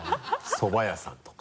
そば屋さんとか。